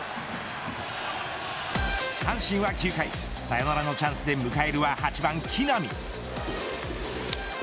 阪神は９回サヨナラのチャンスで迎えるは８番、木浪。